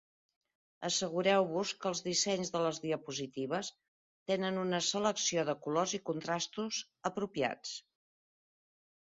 Assegureu-vos que els dissenys de les diapositives tenen una selecció de colors i contrastos apropiats.